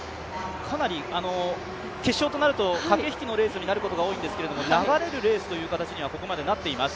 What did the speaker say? かなり決勝となると駆け引きのあるレースになることが多いんですけれども、ここまでは流れるレースという形にはなっています。